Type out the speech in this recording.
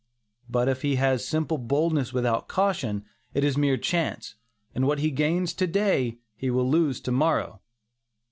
But if he has simple boldness without caution, it is mere chance, and what he gains to day he will lose to morrow.